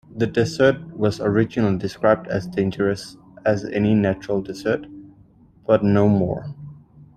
The desert was originally described as dangerous as any natural desert but no more.